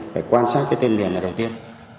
để quan sát cái tên miệng này đầu tiên